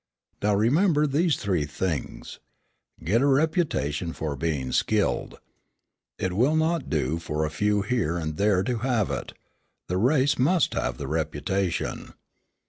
Now, remember these three things: Get a reputation for being skilled. It will not do for a few here and there to have it: the race must have the reputation.